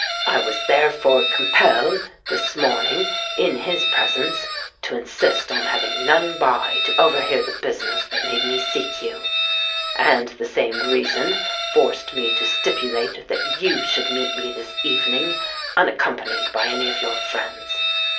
I was therefore compelled, this morning, in his presence, to insist on having none by to overhear the business that made me seek you; and the same reason forced me to stipulate that you should meet me this evening unaccompanied by any of your friends.